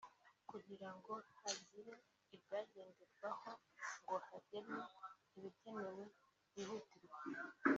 kugirango hagire ibyagenderwaho ngo hagenwe ibikenewe byihutirwa